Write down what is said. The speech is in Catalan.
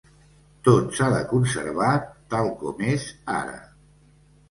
Tot s'ha de conservar tal com és ara.